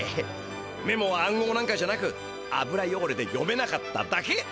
メモは暗号なんかじゃなく油よごれで読めなかっただけ。